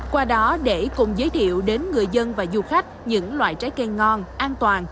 qua đó để cùng giới thiệu đến người dân và du khách những loại trái cây ngon an toàn